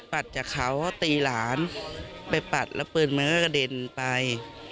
จากเขาเขาตีหลานไปปัดแล้วปืนมันก็กระเด็นไป